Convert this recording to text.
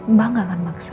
mbak gak akan maksa